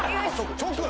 直！